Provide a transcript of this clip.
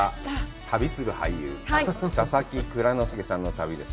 旅する俳優、佐々木蔵之介さんの旅です。